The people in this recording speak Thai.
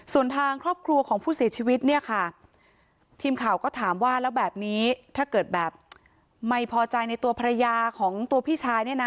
ส่วนทางครอบครัวของผู้เสียชีวิตเนี่ยค่ะทีมข่าวก็ถามว่าแล้วแบบนี้ถ้าเกิดแบบไม่พอใจในตัวภรรยาของตัวพี่ชายเนี่ยนะ